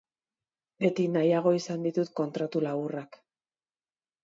Beti nahiago izan ditut kontratu laburrak.